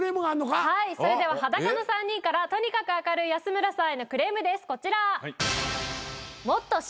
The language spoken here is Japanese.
はいそれでは裸の３人からとにかく明るい安村さんへのクレームですこちら。